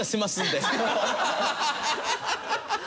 ハハハハ！